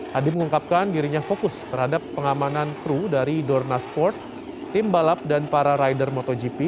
hadi mengungkapkan dirinya fokus terhadap pengamanan kru dari dorna sport tim balap dan para rider motogp